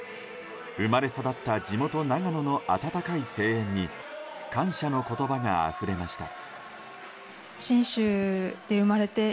生まれ育った地元・長野の温かい声援に感謝の言葉があふれました。